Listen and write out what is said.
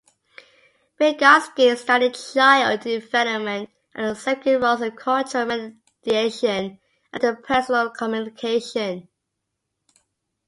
Vygotsky studied child development and the significant roles of cultural mediation and interpersonal communication.